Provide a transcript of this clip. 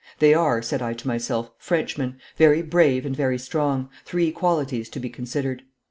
They are, said I to myself, Frenchmen, very brave and very strong, three qualities to be considered."